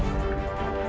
ada yang berpikir